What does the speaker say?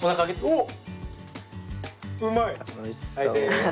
おっ！